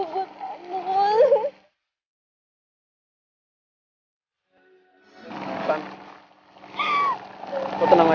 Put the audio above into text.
dari tadi gue satu takutan lo enggak